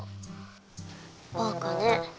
バカね。